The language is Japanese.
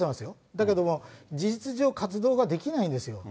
だけど事実上活動ができないんですよ。